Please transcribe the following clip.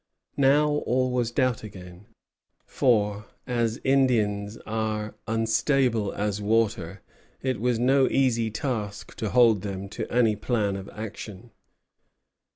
Now all was doubt again, for as Indians are unstable as water, it was no easy task to hold them to any plan of action.